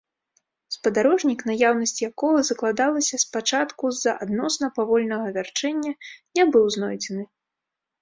Спадарожнік, наяўнасць якога закладалася спачатку з-за адносна павольнага вярчэння, не быў знойдзены.